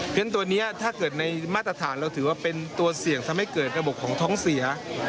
เพราะฉะนั้นตัวนี้ถ้าเกิดในมาตรฐานเราถือว่าเป็นตัวเสี่ยงทำให้เกิดระบบของท้องเสีย